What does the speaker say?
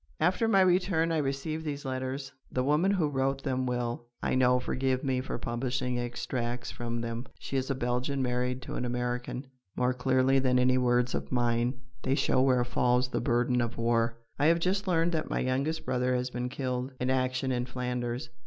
After my return I received these letters. The woman who wrote them will, I know, forgive me for publishing extracts from them. She is a Belgian, married to an American. More clearly than any words of mine, they show where falls the burden of war: "I have just learned that my youngest brother has been killed in action in Flanders.